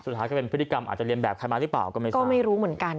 สุดท้ายก็เป็นพฤติกรรมอาจจะเรียนแบบใครมาหรือเปล่าก็ไม่รู้ก็ไม่รู้เหมือนกัน